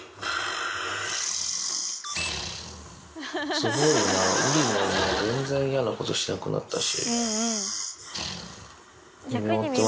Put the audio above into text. すごいな、ウリももう全然、嫌なことしなくなったし。